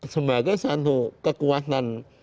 sebagai satu kekuatan